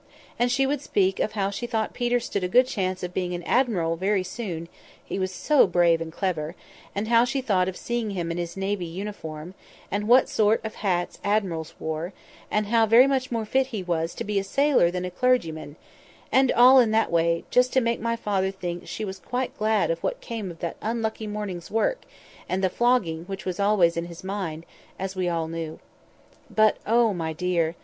And she would speak of how she thought Peter stood a good chance of being admiral very soon—he was so brave and clever; and how she thought of seeing him in his navy uniform, and what sort of hats admirals wore; and how much more fit he was to be a sailor than a clergyman; and all in that way, just to make my father think she was quite glad of what came of that unlucky morning's work, and the flogging which was always in his mind, as we all knew. But oh, my dear!